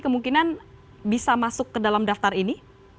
kemungkinan bisa masuk ke dalam daftar ini